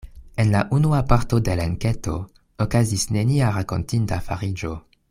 En la unua parto de l' enketo okazis nenia rakontinda fariĝo.